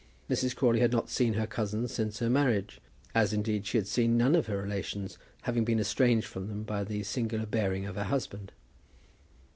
Mrs. Crawley had not seen her cousin since her marriage, as indeed she had seen none of her relations, having been estranged from them by the singular bearing of her husband.